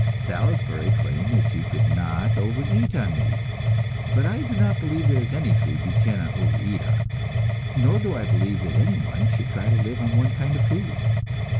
Salisbury claimed that you could not overeat on meat, but I do not believe there is any food you cannot overeat on, nor do I believe that anyone should try to live on one kind of food.